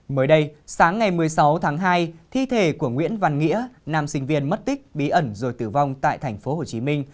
mới đây sáng ngày một mươi sáu tháng hai thi thể của nguyễn văn nghĩa nam sinh viên mất tích bí ẩn rồi tử vong tại tp hcm